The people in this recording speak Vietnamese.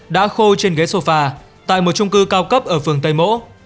đã khô trên ghế sofa tại một trung cư cao cấp ở phường tây mỗ